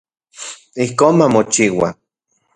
Ijkon mamochiua.